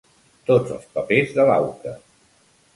Tots els papers de l'auca.